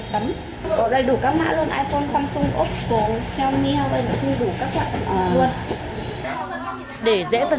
có đầy đủ các mã luôn iphone samsung oppo xiaomi huawei nó chung đủ các loại luôn